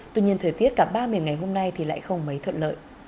tuy nhiên thời tiết cả ba miền ngày hôm nay thì lại không mấy thuận lợi